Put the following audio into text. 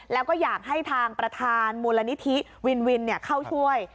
แล้วก็อยากให้ทางประธานมูลนิธิวินวินเข้าช่วย